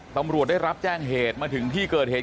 ตำรวจได้รับแจ้งเหตุมาถึงที่เกิดเหตุ